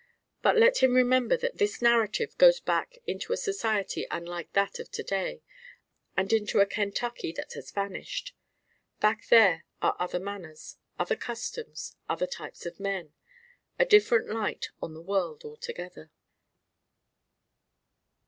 But let him remember that this narrative goes back into a society unlike that of to day and into a Kentucky that has vanished. Back there are other manners, other customs, other types of men: a different light on the world altogether.